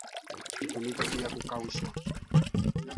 Walidai kuwa wanachama wake waliwauwa takribani wakristo ishirini